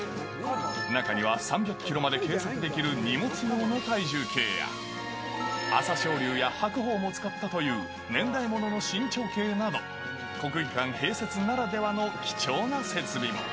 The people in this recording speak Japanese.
中には３００キロまで計測できる荷物用の体重計や、朝青龍や白鵬も使ったという、年代物の身長計など、国技館併設ならではの貴重な設備も。